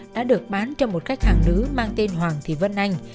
đã được bán cho một khách hàng nữ mang tên hoàng thị vân anh